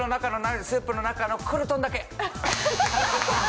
スープの中のクルトンだけ。